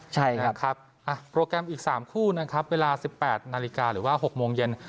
ใช่นะครับโปรแกรมอีก๓คู่นะครับเวลา๑๘นาฬิกาหรือว่า๖โมงเย็น